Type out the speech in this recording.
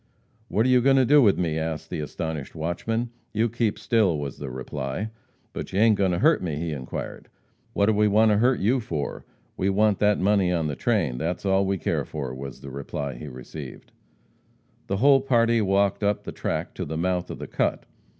"What are you going to do with me?" asked the astonished watchman. "You keep still," was the reply. "But you ain't going to hurt me?" he inquired. "What do we want to hurt you for? We want that money on the train, that's all we care for," was the reply he received. The whole party walked up the track to the mouth of the cut.